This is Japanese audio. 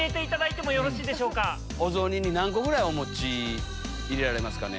お雑煮に何個ぐらいお餅入れられますかね？